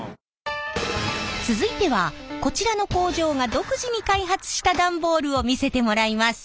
続いてはこちらの工場が独自に開発した段ボールを見せてもらいます。